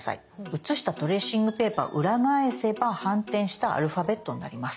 写したトレーシングペーパー裏返せば反転したアルファベットになります。